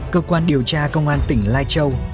cơ quan điều tra công an tỉnh lai châu